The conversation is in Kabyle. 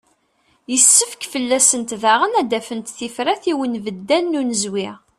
Yessefk fell-asent daɣen ad d-afent tifrat i unbeddal n unezwi.